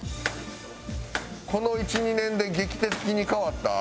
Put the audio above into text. この１２年で劇的に変わった？